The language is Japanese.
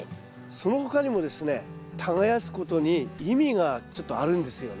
その他にもですね耕すことに意味がちょっとあるんですよね。